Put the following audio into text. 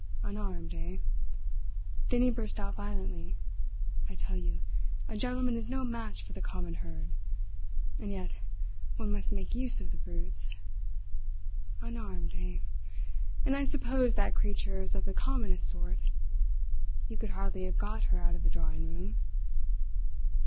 "Unarmed, eh?" Then he burst out violently: "I tell you, a gentleman is no match for the common herd. And yet one must make use of the brutes. Unarmed, eh? And I suppose that creature is of the commonest sort. You could hardly have got her out of a drawing room.